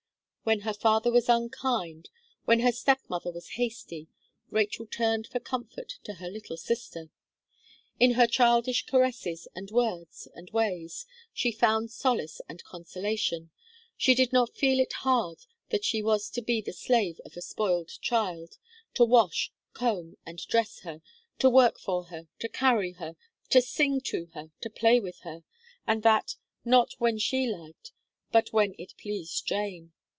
When her father was unkind, when her step mother was hasty, Rachel turned for comfort to her little sister. In her childish caresses, and words, and ways, she found solace and consolation. She did not feel it hard that she was to be the slave of a spoiled child, to wash, comb, and dress her, to work for her, to carry her, to sing to her, to play with her, and that, not when she liked, but when it pleased Jane.